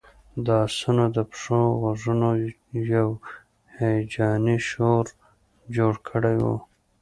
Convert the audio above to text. د آسونو د پښو غږونو یو هیجاني شور جوړ کړی و